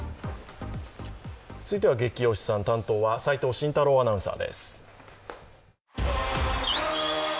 続いては「ゲキ推しさん」、担当は齋藤慎太郎アナウンサーです。